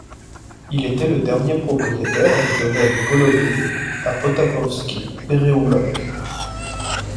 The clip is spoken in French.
Il était le dernier propriétaire du domaine Golovine à Potapovsky pereoulok.